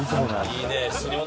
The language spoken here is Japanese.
いいね。